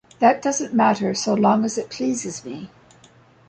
That doesn’t matter, so long as it pleases me.